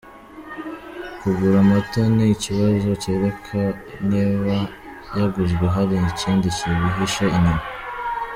Kugura amata ni ikibazo? Kereka niba yaguzwe hari ikindi kibyihishe inyuma.